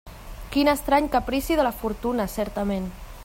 Quin estrany caprici de la fortuna, certament!